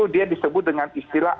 disebut dengan istilah